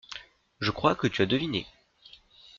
Je crois que tu as deviné.